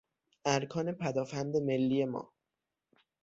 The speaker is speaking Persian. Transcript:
ارکان پدافند ملی ما